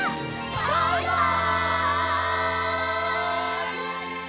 バイバイ！